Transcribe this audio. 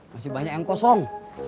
masih banyak yang kosong